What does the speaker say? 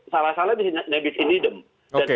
salah salah nebis in idem